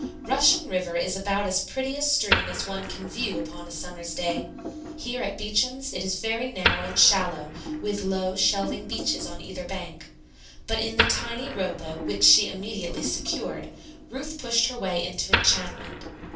Russian River is about as pretty a stream as one can view upon a summer's day. Here at Beacham's it is very narrow and shallow, with low, shelving beaches on either bank; but in the tiny row boat which she immediately secured, Ruth pushed her way into enchantment.